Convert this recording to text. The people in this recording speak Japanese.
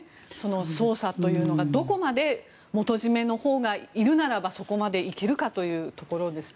捜査というのがどこまで元締のほうがいるならばそこまで行けるかというところですね。